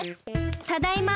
ただいま。